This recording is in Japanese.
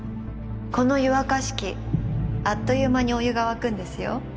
この湯沸かし器あっという間にお湯が沸くんですよ